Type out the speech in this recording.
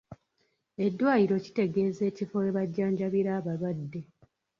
Eddwaliro kitegeeza ekifo we bajjanjabira abalwadde.